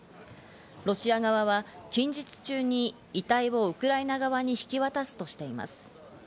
ロシア側は近日中に遺体をウクライナ側に引き渡すとしています。